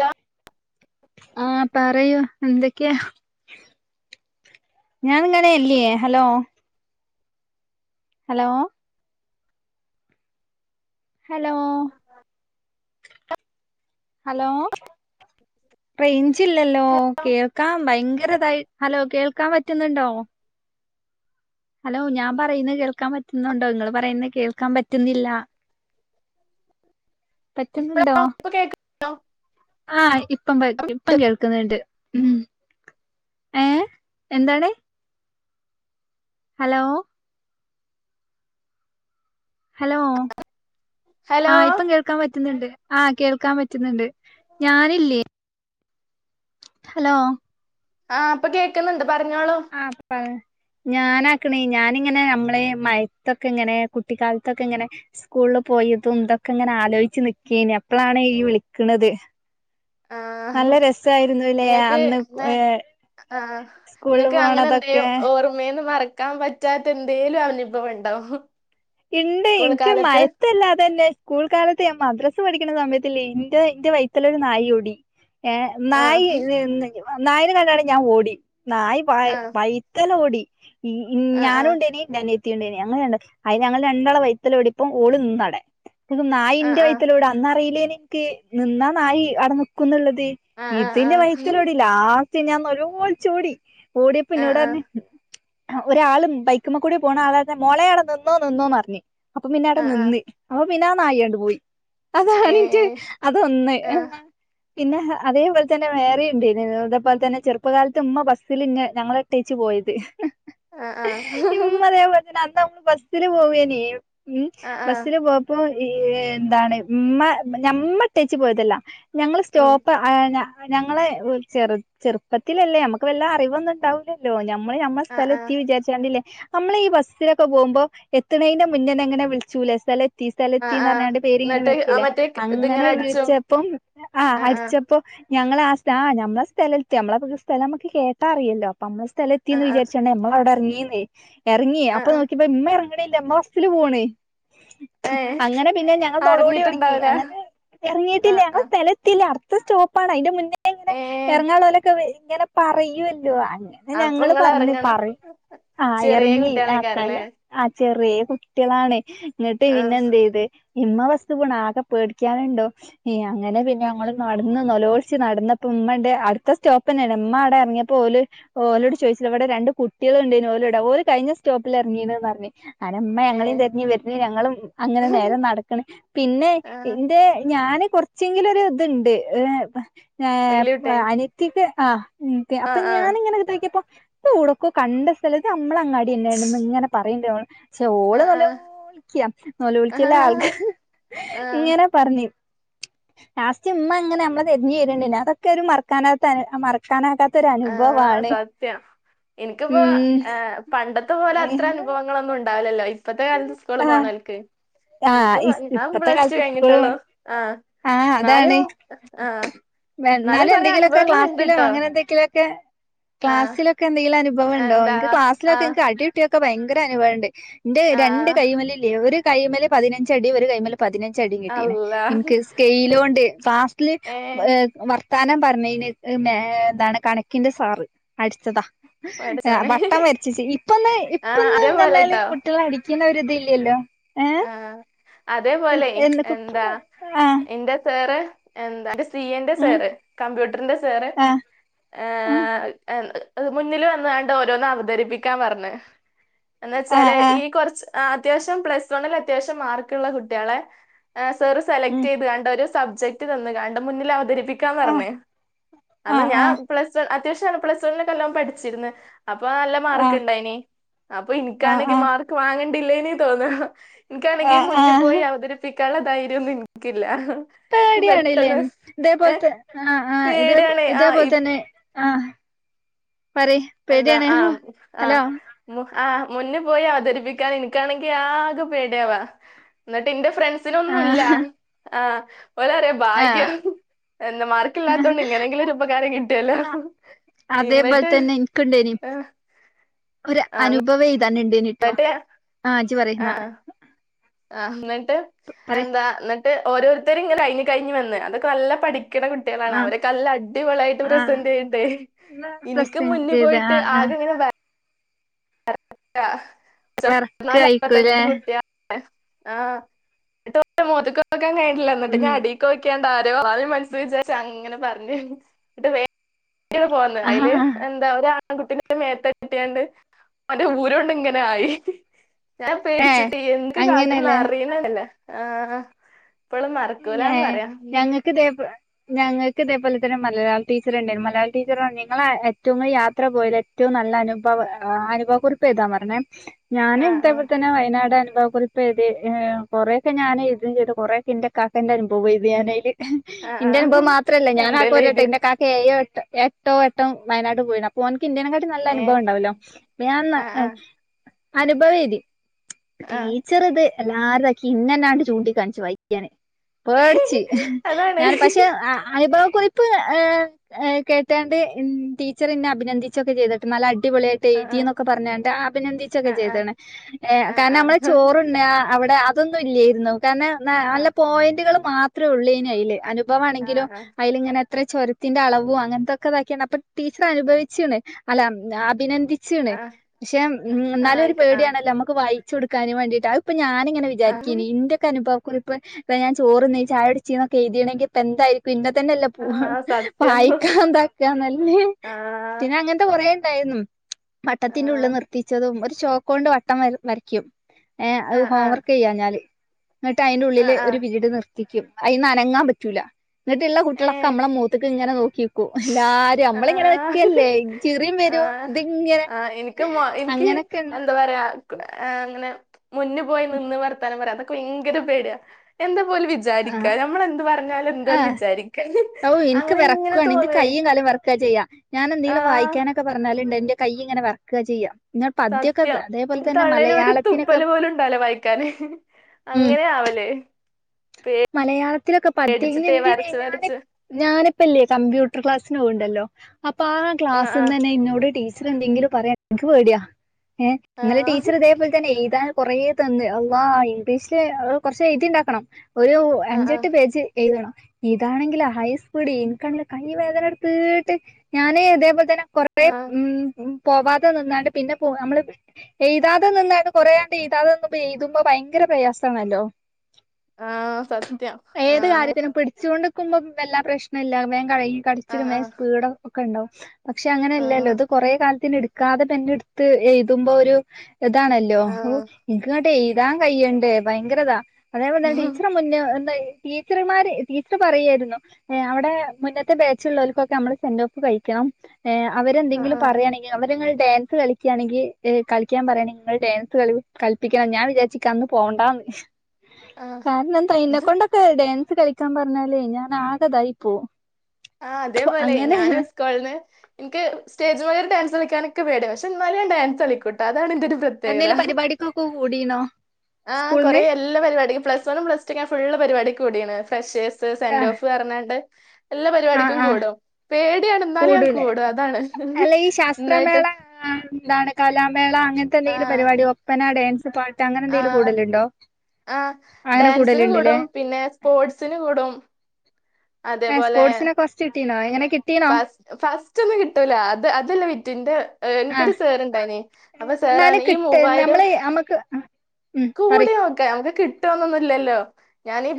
Hello ആഹ് പറയൂ എന്തൊക്കെയാ ഞാൻങ്ങനെല്ലേയേ ഹലോ ഹലോ ഹലോ ആ ഹലോ റൈൻ ച്ചില്ലല്ലോ കേൾക്കാൻ ഭയങ്കരതായി ഹലോ കേൾക്കാൻ പറ്റുന്നുണ്ടോ ഹലോ ഞാൻ പറയുന്ന കേൾക്കാൻ പറ്റുന്നുണ്ടോ ഇങ്ങൾ പറയുന്ന കേൾക്കാൻ പറ്റുന്നില്ല പറ്റുന്നുണ്ടോ ഇപ്പഴോ [unintelligible] ആ ഇപ്പം കേ ഇപ്പം കേൾക്ക്ന്ന്ണ്ട് ഉം ഏ എന്താണ്? ഹലോ ഹലോ ആ ഹലോ ഇപ്പം കേൾക്കാൻ പറ്റ്ന്ന്ണ്ട്. ആ കേൾക്കാൻ പറ്റ്ന്ന്ണ്ട് ഞാനില്ലേ ഹലോ ആ പ്പൊ കേക്ക്ന്ന്ണ്ട് ആ പ [unintelligible] ഞാന ക്ണെ ഞാനിങ്ങനെ ഞമ്മളെ മയത്തൊക്കെ ങ്ങനെ കുട്ടിക്കാൽത്തൊക്കെ ങ്ങനെ സ്കൂൾല് പോയതും തൊക്കെ ങ്ങനെ ആലോയ്ച്ച് നിക്കേന് അപ്പളാണ് യ്യ് വിളിക്ക്ണത്. ആ ഇങ്ങക്ക് അന്ന് ന്ന് ഏഹ് ആഹ് സ്കൂളിൽ ഇങ്ങക്ക് അങ്ങനെ ന്തെം പോണതൊക്കെ ഓർമ്മേന്ന് മറ ക്കാൻ പറ്റാത്ത എന്തേലു അനുഭവണ്ടൊ ഹൊ ഇണ്ട് ഇൻക്ക് മയത്തല്ലാതെന്നെ സ്കൂൾ കാലത്ത് ഞാൻ മദ്രസ് ക്ക് പഠിക്ക്ണ സമയത്ത്ല്ലെ ഇൻ്റെ ഇൻ്റെ വൈത്തിലൊരു നായോടി ഏ ആ നായെ വെന്ന് ഇ വ നായനെ കണ്ണാരം ഞാൻ ഓടി നായി വായ് ആ വൈത്തലോടി ഉം ഉം ആ ആ ആ ഞാനുണ്ടേനി ൻ്റനി [unintelligible] ഇത്തിട്ടുണ്ട് ഞങ്ങള് രണ്ടും അയ് ഞങ്ങളെ രണ്ടാളെ വൈത്തലോടിപ്പൊ ഓള് ന്നടെ പിന്നെ ആ നായിൻ്റെ വൈത്തിലോട അന്ന് അറിയില്ലേനി കെ നിന്നാനായി അവിടെ നിക്കുന്ന്ള്ളത് ആ ആ ഹ് ഇത് ആ യിന്റെ വയ്ത്തിലോടി ലാ ട്ട് ഞാൻ നില വിളിച്ചു ഓടി ഓടിയപ്പൊ ആ ന്നോടർഞ്ഞ് അ ഒരാളും ബൈക്കുമ്മ കൂടി പോണാ ആള് മോളേ ഇറ - ന്നോ നിന്നോ അറിഞ്ഞ- അപ്പൊ പിന്നെ ആ ആ അവിടെ ആ നിന്ന് അ പിന്നാ നായ അങ്ങട് പോയി ഏ അതാണീറ്റ് അതൊന്ന് ആ എ- പിന്നെ ഹ് അതേ പോൽതന്നെ വേറേ ഇണ്ട് ഇതേ പോൽതന്നെ ചെറുപ്പകാലത്ത് മ്മ ബസ്സല് ന്നെ ഞങ്ങളെ ഇട്ടേച്ച് പോയിട്ട് ആ ആ ഇന്നലെയും [unintelligible] [unintelligible] ബസില് പോവേനി ഉം ആ ആ ബസ്സില് പോപ്പോയ് ഈ എന്താണ് മ്മ ഞമ്മ ട്ടേച്ച് പോയതല്ല ഞങ്ങള് ഉം സ്റ്റോപ്പ് അയിനാ - ഞങ്ങള് ചെറ് ചെറുപ്പത്തിലല്ലേ നമ്മക്ക് വല്ല അറിവൊന്നും ഉണ്ടാവില്ലല്ലോ നമ്മള് ഞമ്മ ആ സ്ഥലം ആ എത്തി വിചാരിച്ചാണ്ടില്ലേ നമ്മളീ ബസ്സിലൊക്കെ പോമ്പോ എത്തണേയിന്റെ മുന്നെന്നെ ഇങ്ങനെ വിളിച്ചൂല സ്ഥലെ ത്തി ആ ആ സ്ഥലെത്തിന്ന് പറഞ്ഞാണ്ട് പേര് ഇങ്ങനെ എന്നിട്ട് ആ വിളിക്കീല്ലേ മറ്റേ ഇതിങ്ങനെ അങ്ങനെ അടിച്ചു വിളിച്ചപ്പം ആഹ് ആ ആ അടിച്ചപ്പം ഞങ്ങളെ ആ ആഹ് ഞമ്മളെ സ്ഥലെത്തി ഞമ്മക്ക് സ്ഥലം കേട്ടാ അറിയല്ലോ പ്പമ്മ സ്ഥല ആ എത്തീന്ന് ആ വിചാരിച്ചാണ്ട് ഞമ്മളവിടെ എറങ്ങി ഇന്നേ എറങ്ങി. ആ അപ്പം നോക്കിയപ്പം ഇമ്മ എറ മ്മല്ല മ്മസ്സില് പോണ് ആ ഏ അങ്ങനെ പിന്നെ ഞങ്ങൾ നൊളോളിയൊടങ്ങി. അറിഞ്ഞിട്ടുണ്ടാവൂല അങ്ങനെ എറങ്ങീട്ടില്ല. ആഹ് ഞങ്ങളെ ആഹ് സ്ഥലെത്തീല. ത്ത സ്റ്റോപ്പാണ് അയിന്റെ മുൻ [unintelligible] ഇങ്ങനെ ഏഹ് എറങ്ങാൻ ഇള്ളോലൊക്കെ വെ ഇങ്ങനെ പറയൊല്ലോ അ ങ്ങനെ അപ്പൊ ഞങ്ങള് ഇങ്ങള് പറഞ്ഞ് എറങ്ങണം പറയ് ആ ചെറിയ എറങ്ങി. ആ കുട്ടികളെക്കാരല്ലേ സ്ഥലം ആ ചെറിയ കുട്ടിയളാണ് ഇന്നട്ട് പിന്നെ ആഹ് എന്തയ്ത് ഇമ്മ ബസ്സ് ബീണ്. ആകെ പേടിക്കാന്ണ്ടോ ഇഹ് അങ്ങനെ പിന്നെ ഞങ്ങൾ നടന്ന് നെലോളിച്ച് നടന്നപ്പം ഉമ്മണ്ട് അടുത്ത സ്റ്റോപ്പെന്നെണ് ഉമ്മ അവിടെ എറങ്ങിയപ്പോ ഓല് ഓലോട് ചോദിച്ച് ഇവിടെ രണ്ട് കുട്ടിയേള് ഇണ്ടായിന് ഓലോടെ, ഓല് കയിഞ്ഞ സ്റ്റോപ്പിൽ എറങ്ങീന് ന്ന് പറഞ്ഞ് [unintelligible] കനിമ്മ ഞങ്ങളേം ഏഹ് തെരഞ്ഞ് വരണ് ഞങ്ങളും അങ്ങനെ നേരം നടക്കണ് പിന്നെ ആഹ് ഇന്റെ ഞാന് കുറച്ച് ച്ചെങ്കിലൊ ഒരു ഇത്ണ്ട് ഏഹ് ഏഹ് വലിയ പ് കുട്ടിയായി അനിയത്തിക്ക് ആഹ് ഉം ക്കെ അപ്പ ആഹ് ഞാനിങ്ങനെതാക്കിയപ്പോ പ്പവ്ടൊക്കോ കണ്ട സ്ഥല ത് [unintelligible] മ്മള അങ്ങാടിയെന്നേണെന്ന് ഇങ്ങനെ പറ [unintelligible] ക്ഷെ ഓള് ആഹ് ആഹ് നെലോളിക്കാ നെലോളിക്കല്ല ആൾക്ക് ആഹ് ആഹ് ഇങ്ങനെ പറഞ്ഞ് ലാസ്റ്റ്മ്മ ഇങ്ങനെ നമ്മളെ തെരഞ്ഞ് വര്ണ് ണ്ട്. ഞ അതൊക്കെ ഒരു മറക്കാനാവാത്ത മറക്കാനാകാ ആഹ് സത്യം എനിക്കിപ്പോ ഉം ഏഹ് പണ്ടത്തെ പോലെ അത്ര അനുഭവങ്ങളൊന്നും ഇണ് ണ്ടാവലല്ലോ ഇ ഇപ്പത്തെ കാലത്ത് ഉസ്കൂള് പോണോല്ക്ക്. ആഹ് ഇപ്പത്തെ കാലത്ത് സ്കൂളും ആഹ് ആഹ് എന്നാലും അതാണ് ആഹ് എന്നാലും വെന്നാലും കൊറേ എന്തെങ്കിലു ഒക്കെ അനുഭവങ്ങൾ ക്ലാസ്സിലോ ഇണ്ട്ട്ടോ അങ്ങനെ എന്തെങ്കിലും ക്കെ ആഹ് ക്ലാസിലൊക്കെന്തെങ്കിലുംഅനുഭവ ണ്ടോ എന്താ എനിക്ക് ക്ലാസിലൊക്കെ ആഹ് അടികിട്ടി ഒക്കെ ഭയങ്കര അനുഭവുണ്ട് എന്റെ രണ്ട് ആഹ് കൈമലില്ലിയോ ഒരു- കൈമല് പതിനഞ്ചടി ഒരു കൈയ്യും മേലും- പതിനഞ്ച് അടി കിട്ടീണ് അള്ളാ എനിക്ക് സ്കെയിലോണ്ട് ക്ലാസ്സിൽ ഏ വർ- വർത്താനം പറഞ്ഞതിന് എന്താണ് കണക്കിന്റെ സാറ് അടിച്ചതാ ആ പഠിച്ചോനെ വട്ടം വരച്ചിച്ച് ഇപ്പൊന്ന് ആ അതേപോലെ ഇപ്പന്ന്പറഞ്ഞാൽ ട്ടോ കുട്ടികളെ അടി- പിന്നെ ഒരു ഇത്‌ ഇല്ല്യാലോ ആ അതേപോലെ എന്ത് കുട്ടി എന്താ ആ എന്റെ സാറ് എന്താലും സി എ ന്റെ ഉം സാറ് കമ്പ്യൂട്ടർന്റെ- [unintelligible] സാറ് ആ ഉം ഏയ മുന്നില് വന്ന് കൊണ്ട് ഓരോന്ന് അവതരിപ്പിക്കാൻ പറഞ്ഞു ആ എന്നവെച്ചാല് ആ ഈ കുറച്ച് ആ അത്യാവിശ്യം പ്ലസ്- ഇത്തവണ അത്യാവശ്യം മാർക്കുള്ള കുട്ടികളെ സാറ് ഉം സെലക്ട് ചെയ്ത്കാണ്ട് ഒരു സബ്ജക്ട് തന്ന് കാണ്ട് മുന്നിൽ അവതരി- പ്പിക്കാ ആ ആ ആ പറഞ്ഞ്അന്ന് ഞാൻ പ്ലസ് വൺ അത്യാവശ്യ- പ്ലസ് വണ്ണിലാണ് വണ്ണിലൊക്കെ നല്ലോം പഠിച്ചിരുന്നെ അപ്പൊ നല്ല ആ മാർക്ക് ഉണ്ടായിനി അപ്പൊ ആ ഇനിക്കാണെങ്കി മാർക്ക് വാങ്ങ- കണ്ടില്ലെനി തോന്നവാ [unintelligible] ആ ആ എനിക്കാണെങ്കിൽ മുന്നിൽ ആ പോയി അവതരിപ്പിക്കാ - നുള്ള ധൈര്യം ഒന്നും എനിക്കില്ല എനിക്ക് പേടിയണല്ലേ പെട്ടെന്ന് ഏ ഇതേപോലത്തെ ആഹ് ആഹ് ഇതേ പേടിയാണ് ആ ഈ ഇതേപോലെത്തെ ആഹ് പറി ഇപ്പോയെവിടെയാണ് ഹലോ ആഹ് മുന്നിൽ പോയി അവതരിപ്പിക്കാൻ എനിക്കാണെങ്കിൽ ആകെ പേടിയവാ എന്നിട്ട് എന്റെ- ഫ്രണ്ട്സിനൊന്നും ഇല്ല ആഹ് ആ- ഓല് പറയാ ആഹ് ഭാഗ്യം എന്താ മാർക്ക് ഇല്ലാത്തോണ്ട് ഇങ്ങനെങ്കിലും ഒരു ഉപകാരം കിട്ടിയല്ലോ എന്നിട്ട് എനിക്കുണ്ടായിനി ആ, ഒരു അനുഭവയുതാ [unintelligible] എട്ടോ എന്നിട്ട് ആഹ് ജ് പറയ് ന്നാ ആഹ് ന പറയ് എന്താ ട്ട് ഓരോരുത്തരും കഴിഞ്കഴിഞ് വന്ന് അത് നല്ല പഠിക്ക ക്കണ കുട്ടികളാണ് ആഹ് അവരെ കല്ലല് അടിപൊളിയായിട്ട് ആഹ് പ്രസന്റ് ചെയ്യണ്ടേ എനിിക്കക്ക് പ്രസന്റ് മുന്നപ ചെയ്ത് പോയിട്ട് ആഹ് ആഹ് ആകെ ഇങ്ങനെ [unintelligible] വിറക്ക ആയിക്കുലേ ആഹ് ട്ട മോത്ത് ക്കോ കഴിണില്ല എന്നിട്ട് ഉം ഞാ അടീക്കോക്ക മനസ്സ ചിച്ചച്ച അങ്ങനെ പറഞ്ഞ് ഇടെ പോന്ന് അതില് ആഹ് എന്താ ഒരു ആ കുട്ട മേത്ത കിട്ടിയണ്ട് അവന്റെ ഊരോണ്ട് ഇങ്ങനെ ആയി ഞാൻ ഏഹ് പേടിച്ചിട്ട് എനിക്ക് കാട്ടന്ന അങ്ങനെല്ലേ അറിയുന്നാണല്ലേ ആഹ് ഇപ്പളും ഞ മറക്കൂലന്ന് പറയാം ഞങ്ങൾക്ക് ഇതേ ഞങ്ങൾക്ക് ഇതേപോലെ തന്നെ മലയാള ടീച്ചർ ഉണ്ടായിരുന്നു മലയാള ടീച്ചർ നിങ്ങ ഏറ്റവും ക യാത്ര പോയത് ഏറ്റ നല്ല അനുഭവ അനുഭവ കുറിപ്പ് താ പറഞ്ഞെ ഞാന് ആഹ് ആഹ് ഇതേപ്പോലെ തന്നെ വയനാടാണ് കുറിപ്പ് എഴുതി കൊറെക്കെ ഞാന് എഴുതും കൊറെക്കെ എന്റെ വെ ഇത് ഞാനല് എന്റെ ആഹ് ആഹ് അനുഭവം മാത്രമല്ല ഞാൻ കാക്ക എന്തേലും പോരട്ടോ എഴുതിയ എന്റെ കാക്ക എയ്യ ട്ടോ ഏട്ടോ എട്ടംവയനാട് പോയിണ് അപ്പോ അവൻ ഇന്ത്യനെക്കായിട്ട് നല്ല അനുഭവം ഏഹ് ഒണ്ടാവല്ലോ ഞാൻ ആഹ് ആഹ് അനുഭവം എതി ആഹ് ടീച്ചർ ഇത് എല്ലാരുംക്കിന്നെ ഇന്നാണ്ട് ചൂണ്ടിക്കാണിച്ചു വായിക്കാന് കേടിച്ച് അതാണ് ഞാൻ പക്ഷെ അനുഭവ കുറി പ്പ കേട്ടാണ്ട് ടീച്ചർയെന്നെ അഭിനന്ദിച്ചൊക്കെ ചെയ്തിട്ട് നല്ല അടിപൊളിയായിട്ട് ആഹ് എഴുതിഎന്നെക്കെ പറഞ്ഞണ്ട് അഭിനന്ദിച്ചൊക്കെ ആഹ് ആഹ് ചെയ്താണ് ഏ കാരണം ആഹ് ആഹ് നമ്മളെ ചോറു ഉണ്ണുകണ് അവിടെ ഇതൊന്നും ഇല്ലായിരുന്നോ കാരണം ആഹ് നല്ല പോയിന്റുകളും മാത്രേ ഉള്ളു ഇല്ലേന കയ്യിലെ ആഹ് ഉഭമാണെങ്കിലും ആഹ് അയിലിങ്ങനെ അത്ര ചുരത്തിന്റെ അളവും അങ്ങനെത്തൊക്കെതാക്കിയാണ് അപ്പൊ ടീച്ചർ അനുഭവിച്ചാണ് അല്ല അഭിനന്ദി ണ് ആഹ് പക്ഷെ ഉം ആഹ് എന്നാലും ഒരു ആയിക്ക ആഹ് പേടിയണല്ലോ നമ്മുക്ക് വായി ചുടുക്കാൻവേണ്ടീട്ട് ഇപ്പ ഞാന് ഇങ്ങനെ ആഹ് വിചാരിക്കിനി എന്റെക്കെ അനുഭവം കുറിപ്പ ഞാൻ ചോറിന് ചായ കുടിച്ചീന്നൊക്ക എഴുതിണെങ്കിൽ ഇപ്പ എന്തായി പിന്നെ തന്നെയല്ല ആഹ് [inaudible] സത്യം പായിക്കന്താക്കാന്നല്ലേ ആഹ് പിന്നെ അങ്ങനത്തെ കൊറേ ഇണ്ടായിരുന്നു വട്ടത്തിന്റെ ഉള്ളിൽ ആഹ് നിർത്തിച്ചതും ഒരു ചോക്ക് കൊണ്ട് വട്ടം വരും വരയ്ക്കും ഏ അത് ആഹ് ഹോം ആഹ് വർക്ക് ചെയ്യാഞ്ഞാല് എന്നിട്ട് അയിന്റെ ഉള്ളില് ആഹ് ഒരു ആഹ് വീട് നിർത്തിക്കും അയിന്ന് അനങ്ങാൻ പറ്റൂല എന്നിട്ടുള്ള കുട്ടികളൊക്കെ ഏഹ് നമ്മളെ മുഖത്തക്ക് ഇങ്ങനെ നോക്കിക്കും എല്ലാരും നമ്മള ഇങ്ങനെ ആഹ് നിക്കല്ലേ ചിറിയും വരും ആഹ് ഇതിങ്ങനെ ആഹ് എനിക്ക് മൊ എനിക്ക് അങ്ങനൊക്കെ തന്നെ എന്താ പറയാ ക- ആ അങ്ങനെ മുന്നു പോയി നിന്ന് വർത്താനം പറയാൻ പ ഭയങ്കര പേടിയ എ എന്താ പോൽ വിചാരിക്കാ ആഹ് നമ്മള് എന്ത് പറഞ്ഞ എന്താലും എന്തെ ബിസി ഓ എനിക്ക് വിറക്കുവാണ് ഇന്റെ കയ്യും കാലും വെറക്കാ ചെയ്യാ ഞാൻ എന്തെങ്കിലും ആഹ് വായിക്കാനൊക്കെ പറഞ്ഞാല് ണ്ട് എന്റെ കൈയിങ്ങനെ വർക്ക് ചെയ്യാം സത്യം തള്ളേൽ ഒരു മലയാളത്തിനൊക്കെ തുപ്പല് പോലും ഉണ്ടല്ലോ വായിക്കാന് ഉം അങ്ങനെ ആവല് മലയാളത്തിലൊക്കെ പേടിച്ചിട്ടേ പദൃത്തിന് വരച്ച് [inaudible] ഞാൻ വരച്ച് ഞാനിപ്പല്ലേ കമ്പ്യൂട്ടർ ക്ലാസ് പ്രശ്നവുണ്ടല്ലോ അപ്പൊ ആ ക്ലാസിന്ന് ആഹ് തന്നെ ഇന്നോട് ടീച്ചറ് റ് എന്തെങ്കിലും പറയാൻ എനിക്ക് പേടിയാ ഏ ആഹ് ഇന്നലെ ആഹ് ടീച്ചർ ഇതേപോലെ തന്നെ എയ്താൻ കൊറേ തന്ന് അള്ളാ ഇംഗ്ലീഷില് കൊറച്ച് എഴ്തി ഉണ്ടാക്കണം ഒരു ആഹ് ആഹ് അഞ്ചെട്ട് പേജ് എഴുതണം ഇതാണെങ്കിലോ ഹൈ സ്പീഡ് എനിക്കാണെ കൈ വേദന എടുത്തട്ട് ഞാനേ ഇതേപോലെ തന്നെ കുറേ ആഹ് ഉം പോവാതെ നിന്നാണ്ട് പിന്നെ പോ നമ്മള് എഴുതാതെ നിന്നാണ്ട് കൊറെയങ്ങ് എഴ്താണ്ട് നിന്നങ്ങ് എഴുതുമ്പോ ഭയങ്കര പ്രയാസാണല്ലോ ആഹ് സത്യം ഏത് ആഹ് കാര്യത്തിനും പിടിച്ചുകൊണ്ട് പും വല്ലാ പ്രശ്നം ഇല്ല വെ കൈ കഠിച്ചിലും ആഹ് ഏഹ് ആഹ് സ്പീഡും ഒക്കെ ഇണ്ടാവും പക്ഷെ അങ്ങനയെല്ലല്ലോ ആഹ് ഇത് കുറേ കാലത്തിന് എടു വക്കാതെ പെന്നെടുത്ത് എഴുതുമ്പോരു ഇതാണല്ലോ ഓ ആഹ് എനിക്ക് എഴ്താൻ കയ്യണ്ടേ ഭയങ്കര്താ അതേ ആ പറഞ്ഞേണ്ടി പിന്നെ എന്തായി ടീച്ചർമാര് ടീച്ചർ പറയുായിരുന്നു അവിടെ മുന്നത്തെ ബാച്ചുള്ളവർക്കൊക്കെ നമ്മള് സെന്റ് ഓഫ് കഴിക്കണം ഏഹ് ആ അവരെന്തെങ്കിലും പറയയാണെങ്കിൽ അവരങ്ങൾ ഡാൻസ് കളിക്കുകയാണെങ്കിൽ കളിക്കാൻ പറയാണ് നിങ്ങൾ ഡാൻസ് കള കളിപ്പിക്കണം ഞാൻ വിചാച്ചിക്ക് അന്ന് പോണ്ടാന്ന് ആ കാരണെന്താ ഇന്നക്കൊണ്ടൊക്കെ ഡാൻസ് സ് കളിക്കാൻ പറഞ്ഞാലേ ഞാൻ ആകയിതായിപ്പോം ആ അതേപോലെ ഞാന് സ്കോളിന്ന് എനിക്ക് സ്റ്റേജ്മാ ഡാൻസ് കളിക്കാനൊക്കെ പേടിയാ പക്ഷെ ന്നാലും ഡാൻസ് കളിക്കൂട്ട അ അതാണ് എൻറെ ഒരു പ്രത്യേകത എന്തേലും പരിപാടിക്കൊക്കെ കൂടീണോ ആ കൊറേ സ്കൂൾന്ന് എല്ലാ പരിപാടിക്കും പ്ലസ് വണ്ണും പ്ലസ് ടു നാന്‍ ഫുള്ള് പരിപാടിക്കും കൂടിന് ഫ്രഷേഴ്സ് സ്, സെന്റ് ആഹ് ഓഫ് പറഞ്ഞാണ്ട് എല്ലാ ആഹ് പരിപാടിക്കും ആഹ് കൂടും പേടിയാണ ന്നാലും ഞാൻ കൂടൂലേ കൂടും അതാണ് അല്ല ഈ ഇന്നായിട്ട് ശാസ്ത്രമേള ആഹ് എന്താണ് കാലം മേള അങ്ങനത്തെ എന്തെങ്കിലും പരിപാടി ഒപ്പനാ ഡാൻസ് പാ ആഹ് ആ അങ്ങനെ ഡാൻസിന് കൂടലുണ്ട്ല്ലേ കൂടും പിന്നെ സ്പോർട്സിന് കൂടും ഏഹ് അതേപോലെ സ്പോർട്സിനൊക്കെ ഫസ്റ്റ് കിട്ടീണോ എങ്ങനെ കിട്ടീണോ ഫസ് ഫസ്റ്റൊ ന്നും കിട്ടൂല അത് അതല്ല വിറ്റ് ന്റ എനിക്കൊരു സാർണ്ടായിനി എന്നാനി കിട്ടൈ നമ്മള് നമ്മക്ക് ഉം പറി അത് കിട്ടുവന്നൊന്നും ഇല്ലല്ലോ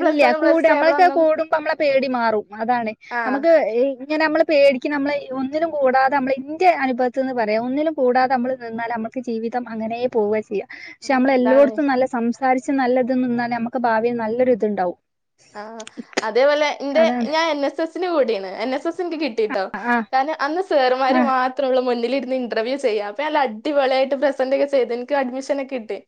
എല്ല്യ കൂട നമ്മളൊക്കെ കൂടുമ്പോ നമ്മളെ പേടി മാറും അതാണ് ആ നമ്മക്ക് ഇങ്ങന നമ്മള് പേടിക്ക് നമ്മൾ ഒന്നിലും കൂടാതെ നമ്മൾ ഇൻ്റെ അനുഭവത്തിന്ന് പറയാ ഒന്നിലും കൂടാതെ നമ്മൾ നിന്നാൽ നമ്മൾക്ക് ജീവിതം അങ്ങനെ പോവുകെ ചെയ്യാ പക്ഷെ ഉം, നമ്മള് ഇതാണ് എല്ലോടുത്തും നല്ല സംസ് സാരിച്ച് നല്ലത് ന്ന് നിന്നാൽ നമുക്ക് ഭാവിയിൽ നല്ലൊരു ത്ണ്ടാവും അ അതേപോലെ എന്റെ ഞാൻ എൻ എസ് എസ് സിന്റെ കൂടെയാണ് എൻ. എസ്. എസിന്റെ കി ട്ടീട്ടോ ആഹ് കാരണം അന്ന് സേർമാര് ആഹ് മാത്രള്ളു മുന്നിൽ ഇരു ത്തി ഇന്റർവ്യൂ ചെയ്യാൻ അപ്പൊ നല്ല അടിപൊളിയായിട്ട് പ്രസന്റ് ഒക്കെ ചെയ്ത് എനിക്ക്‌ അഡ്മിഷനൊക്കെ കിട്ടി.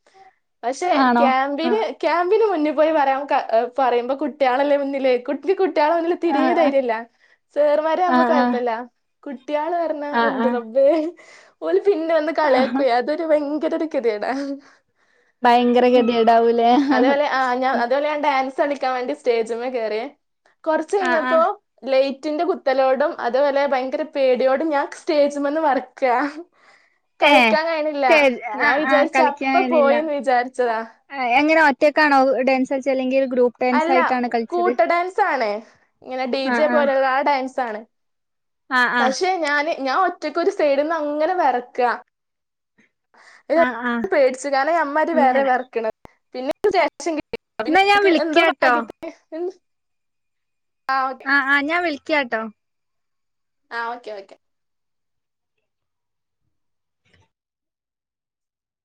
പക്ഷെ ആണോ ക്യാമ്പിന് ആഹ് ക്യാമ്പിന് മുന്നേ പോയി പറയാം ക അ പറയുമ്പോ കുട്ടിയാളല്ലേ മുന്നില് കുട്ടി കു കുട്ട്യോളാണെങ്കി തിരിയെ ആഹ് ധര്യല്ല സേർമാരെ ആഹ് ആവുമ്പോ ആഹ് ആഹ് കൊഴപ്പോല്ല കുട്ട് കുട്ടികള് പറഞ്ഞ് ആഹ് എന്റെ ആഹ് റബ്ബേ ഒല് പിന്നെ വന്ന് ആഹ് കളിയാക്കുവേ അതൊരു ഭയങ അതൊരു കെദേടാ ഭയങ്കര ഗതികെടാവൂലേ ത ളിക്കാൻ വേണ്ടി സ്റ്റേജ്മേ കെറിയെ കുറച്ച് ആഹ് കഴിഞ്ഞപ്പോ ആഹ് ലേറ്റ് റ്റിന്റെ കുത്തലോടും അതേപോലെ ഭയങ്കര പേടിയോടും ഞാൻ സ്റ്റേജ്മെന്ന് വറക്കുഅ ഏഹ് കളിക്കാൻ കഴിണില്ല ശരി ഞാൻ ആഹ് ആഹ് വിചാരിച്ച് അപ്പ കളിക്കാനില്ല പോയിന്ന് വിചാരിച്ചതാ റ്റക്കാണോ ഡാൻസ് കളിച്ചേ അല്ലെങ്കിൽ ഗ്രൂപ്പ് ഡാൻസ് അല്ല ആയിട്ടാണ് കളിച്ചത് കൂട്ട ഡാൻസ് ആണ് ഇങ്ങനെ ഡി ജെ ആഹ് ആഹ് പോലുള്ള ആ ഡാൻസ് ആണ് ആഹ് ആഹ് പശേ ഞാന് ഞാൻ ഒറ്റക്ക് ഒരു സൈഡിന്നങ്ങനെ വെരക്കണം ആഹ് ആഹ് പേടിച്ചിക്കാന് അമ്മരി വേറെയാ അങ്ങനെ വിറക്കണ് പിന്നെ [unintelligible] [unintelligible] എന്നാ ഞാൻ നിക്ക് എന്തോ വിളിക്കാട്ടോ ഭാഗ്യത്തിന് ആ ഓക്കെ ആഹ് ആ ഞാൻ വിളിക്ക ക്യോട്ടോ ആഹ ഓക്കെ ഓക്കെ